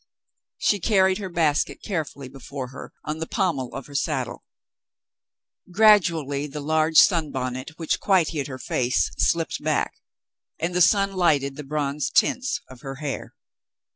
She carried her basket carefully before her on the pommel of her saddle. Gradually the large sun bonnet which quite hid her face slipped back, and the sun lighted the bronze tints of her hair.